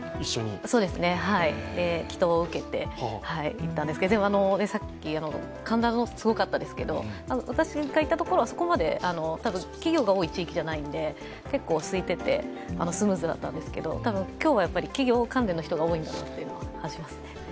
祈とうを受けていったんですけれども、さっき神田がすごかったですけれども、私が行ったところはそこまで、多分企業が多い地域じゃないんで結構すいてて、スムーズだったんですけれども、今日は企業関連の方が多いんだなと感じますね。